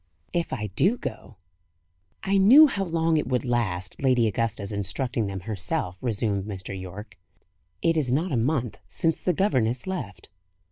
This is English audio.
"If I do go." "I knew how long it would last, Lady Augusta's instructing them herself," resumed Mr. Yorke. "It is not a month since the governess left."